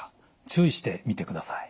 注意して見てください。